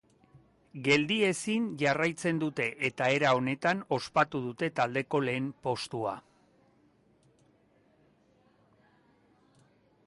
Geldiezin jarraitzen dute eta era honetan ospatu dute taldeko lehen postua.